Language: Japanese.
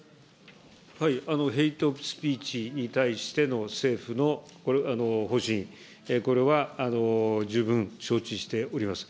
ヘイトスピーチに対しての政府の方針、これは十分承知しております。